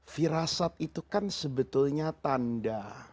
firasat itu kan sebetulnya tanda